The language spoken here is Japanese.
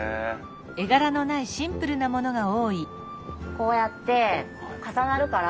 こうやって重なるから。